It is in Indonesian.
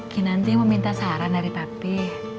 kinanti mau minta saran dari papi